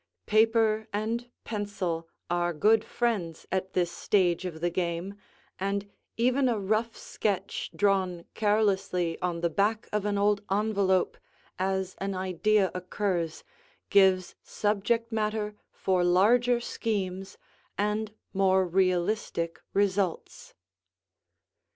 Paper and pencil are good friends at this stage of the game, and even a rough sketch drawn carelessly on the back of an old envelope, as an idea occurs, gives subject matter for larger schemes and more realistic results.